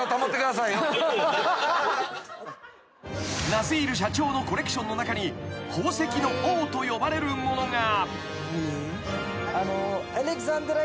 ［ナズィール社長のコレクションの中に宝石の王と呼ばれるものが］